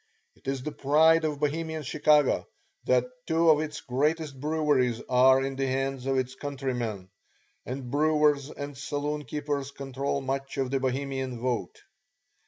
It is the pride of Bohemian Chicago that two of its greatest breweries are in the hands of its countrymen, and brewers and saloon keepers control much of the Bohemian vote.